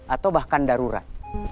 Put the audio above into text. atau bahkan darurat